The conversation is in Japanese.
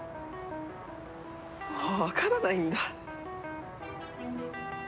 もうわからないんだ。